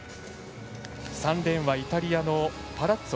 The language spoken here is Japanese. ３レーンはイタリアのパラッツォ。